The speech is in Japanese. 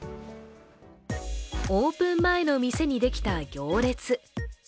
オープン前の店にできた行列。